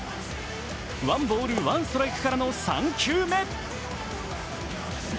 ワンボール・ワンストライクからの３球目。